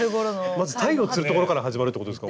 まず鯛を釣るところから始まるってことですか？